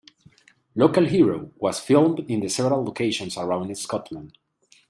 "Local Hero" was filmed in several locations around Scotland.